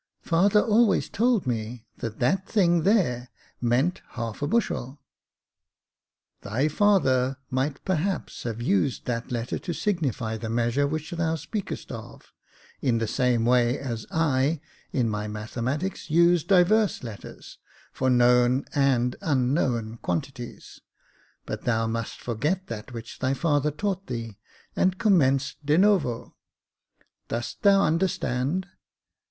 Father always told me that that thing there meant half a bushel." " Thy father might, perhaps, have used that letter to signify the measure which thou speakest of, in the same way as I, in my mathematics, use divers letters for known and unknown quantities ; but thou must forget that which thy father taught thee, and commence, de novo. Dost thou understand